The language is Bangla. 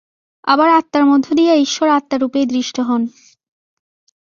আবার আত্মার মধ্য দিয়া ঈশ্বর আত্মারূপেই দৃষ্ট হন।